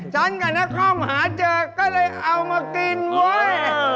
ฉันกับนครหาเจอก็เลยเอามากินเว้ย